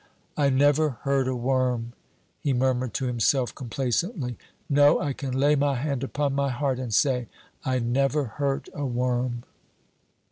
"I never hurt a worm," he murmured to himself, complacently. "No, I can lay my hand upon my heart and say, I never hurt a worm."